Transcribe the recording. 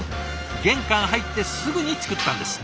玄関入ってすぐに作ったんです。